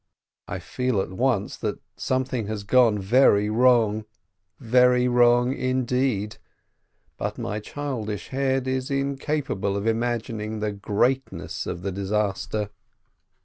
I feel at once that something has gone very wrong, very wrong indeed, but my childish head is incapable of imagining the greatness of the disaster.